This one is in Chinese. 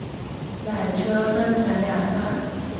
缆车分成两段